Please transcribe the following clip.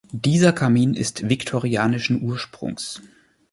Dieser Kamin ist viktorianischen Ursprungs.